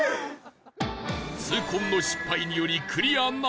痛恨の失敗によりクリアならず